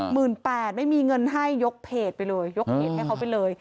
หมื่นแปดไม่มีเงินให้ยกเพจไปเลยยกเพจให้เขาไปเลย